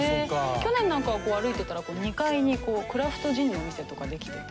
去年なんかこう歩いてたら２階にクラフトジンのお店とかできてて。